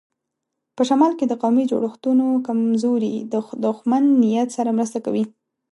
په شمال کې د قومي جوړښتونو کمزوري د دښمن نیت سره مرسته کوي.